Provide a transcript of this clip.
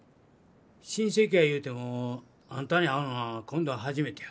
親戚やいうてもあんたに会うのは今度が初めてや。